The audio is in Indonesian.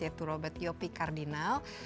yaitu robert yopi kardinal